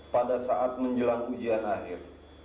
pada saat menjelang ujian akhir